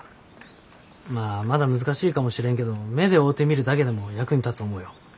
まあまだ難しいかもしれんけど目で追おてみるだけでも役に立つ思うよ。